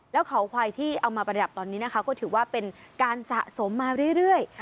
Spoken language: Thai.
แล้วเขาควายที่เอามาประดับตอนนี้นะคะก็ถือว่าเป็นการสะสมมาเรื่อย